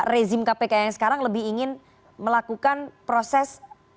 rezim kpk yang sekarang lebih ingin melakukan proses